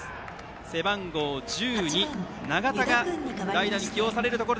背番号１２、永田が代打に起用されるところ。